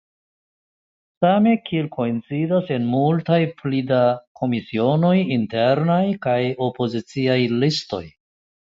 Same kiel koincidas en multaj pli da komisionoj internaj kaj opoziciaj listoj.